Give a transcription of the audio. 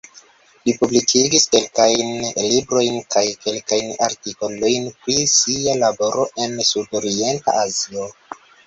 Li publikigis kelkajn librojn kaj kelkajn artikolojn pri sia laboro en Sudorienta Azio.